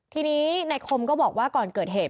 ทีนี้ในคมก็บอกว่าก่อนเกิดเหตุ